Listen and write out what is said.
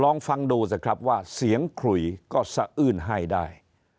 ลองฟังดูสิครับว่าเสียงขลุยก็สะอื้นให้ได้